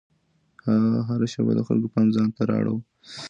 هغه هره شېبه د خلکو پام ځان ته اړاوه.